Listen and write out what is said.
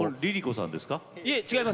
ＬｉＬｉＣｏさんですか？